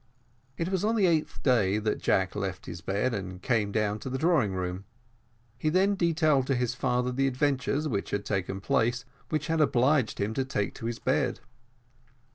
It was on the eighth day that Jack left his bed and came down into the drawing room. He then detailed to his father the adventures which had taken place, which had obliged him to take to his bed.